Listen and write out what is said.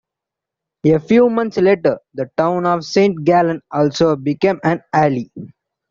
A few months later, the town of Saint Gallen also became an ally.